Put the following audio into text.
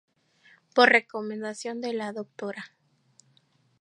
Por recomendación de la Dra.